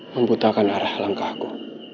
membutakan arah langkahku